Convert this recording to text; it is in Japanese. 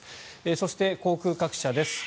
そして航空各社です。